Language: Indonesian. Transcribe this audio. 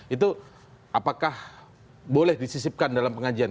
itu apakah boleh disisipkan dalam pengajian